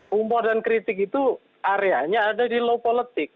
humor dan kritik itu areanya ada di low politik